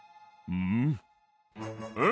「うん？」